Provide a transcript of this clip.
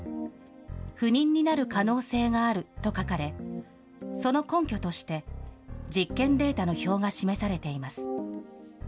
不妊になる可能性があると書かれ、その根拠として、実験データの表が示されています。